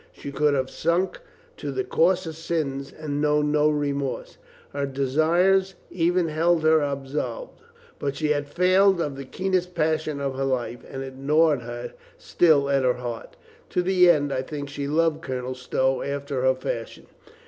She could have sunk to the coarsest sins and known no remorse. Her desires ever held her absolved. But she had failed of the keenest passion of her life, and it gnawed still at her heart. To the end, I think, she loved Colonel Stow after her fashion.